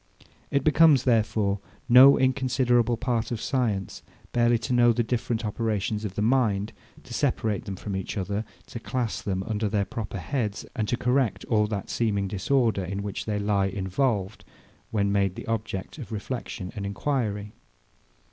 It becomes, therefore, no inconsiderable part of science barely to know the different operations of the mind, to separate them from each other, to class them under their proper heads, and to correct all that seeming disorder, in which they lie involved, when made the object of reflexion and enquiry.